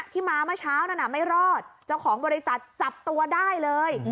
ที่มาเมื่อเช้านั้นไม่รอดเจ้าของบริษัทจับตัวได้เลย